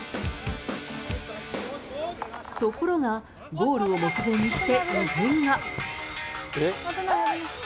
ところが、ゴールを目前にして、異変が。